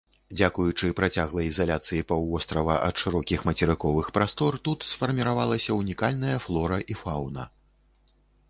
Дзякуючы працяглай ізаляцыі паўвострава ад шырокіх мацерыковых прастор тут сфарміравалася ўнікальная флора і фаўна.